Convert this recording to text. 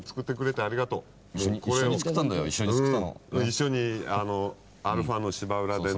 一緒にアルファの芝浦でね。